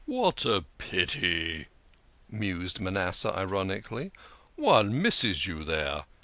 " What a pity !" mused Manasseh ironically. " One misses you there.